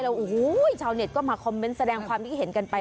มือบับเหลือมือบับเหลือ